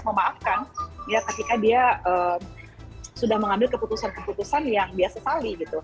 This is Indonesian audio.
memaafkan tapi dia sudah mengambil keputusan keputusan yang dia sesali